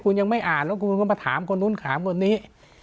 คุณยังไม่อ่านแล้วคุณก็มาถามคนนู้นถามคนนี้